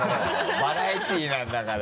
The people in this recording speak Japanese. バラエティーなんだから。